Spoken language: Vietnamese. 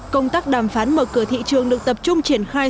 công tác đàm phán mở cửa thị trường được tập trung triển khai